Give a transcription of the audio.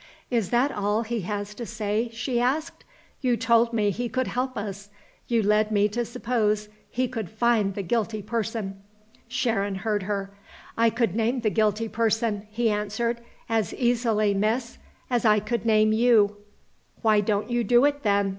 "Is that all he has to say?" she asked. "You told me he could help us. You led me to suppose he could find the guilty person." Sharon heard her. "I could name the guilty person," he answered, "as easily, miss, as I could name you." "Why don't you do it then?"